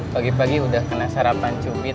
pagi pagi udah kena sarapan cubit